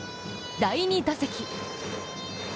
第２打席。